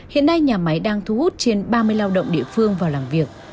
hiện nay nhà máy đang thu hút trên ba mươi lao động địa phương vào làm việc